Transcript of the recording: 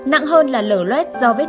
nặng hơn là lở lết do vết thương